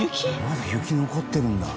まだ雪残ってるんだ。